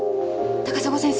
・高砂先生